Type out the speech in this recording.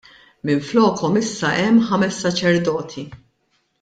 Minflokhom issa hemm ħames saċerdoti.